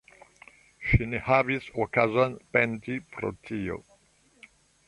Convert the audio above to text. Ŝi ne havis okazon penti pro tio.